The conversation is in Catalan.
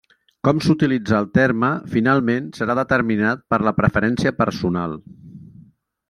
Com s'utilitza el terme finalment serà determinat per la preferència personal.